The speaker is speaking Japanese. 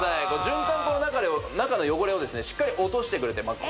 循環口の中の汚れをしっかり落としてくれてます